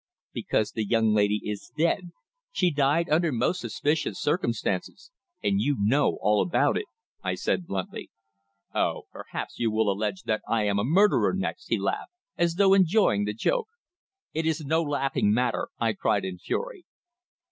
"Because the young lady is dead she died under most suspicious circumstances. And you know all about it!" I said bluntly. "Oh! perhaps you will allege that I am a murderer next!" he laughed, as though enjoying the joke. "It is no laughing matter!" I cried in fury.